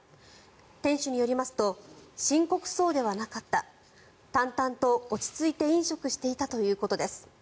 店主によりますと深刻そうではなかった淡々と落ち着いて飲食していたということです。